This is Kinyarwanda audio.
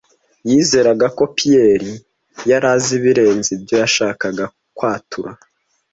Yizeraga ko Pierre yari azi ibirenze ibyo yashakaga kwatura.